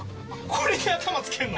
これに頭つけるの？